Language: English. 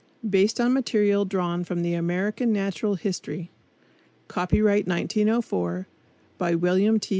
BASED ON MATERIAL DRAWN FROM "THE AMERICAN NATURAL HISTORY," COPYRIGHT 1904, BY WILLIAM T.